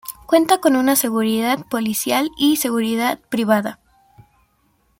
Cuenta con seguridad policial y seguridad privada.